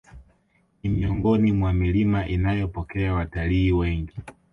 Ni miongoni mwa milima inayopokea watalii wengi